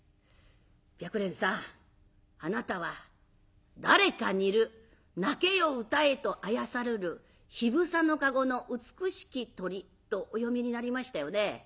白蓮さんあなたは『誰か似る鳴けようたへとあやさるる緋房の籠の美しき鳥』とお詠みになりましたよね。